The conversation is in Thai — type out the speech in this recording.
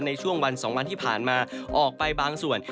ในช่วงวัน๒วันที่ผ่านมาออกไปบางส่วน